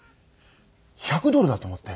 １００ドルだと思って。